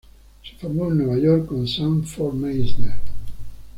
Se formó en Nueva York con Sanford Meisner.